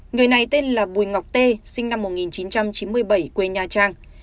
người này tên là bùi ngọc tê sinh năm một nghìn chín trăm chín mươi bảy quê nha trang